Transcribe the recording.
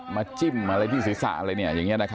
มาจิ้มอะไรที่ศิษย์ศาสตร์อะไรเนี่ยอย่างเงี้ยนะครับ